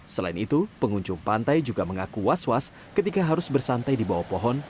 selain itu pengunjung pantai juga mengaku was was ketika harus bersantai di bawah pohon